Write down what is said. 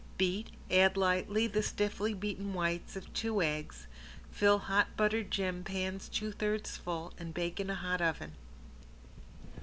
Beat, add lightly the stiffly beaten whites of two eggs, fill hot buttered gem pans two thirds full, and bake in a hot oven.